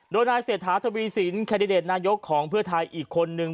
โดยนายเศรษฐาทวีสินแคนดิเดตนายกของเพื่อไทยอีกคนนึง